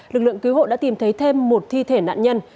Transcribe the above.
lực lượng cứu hộ đã tìm thấy thêm một thi thể nạn nhân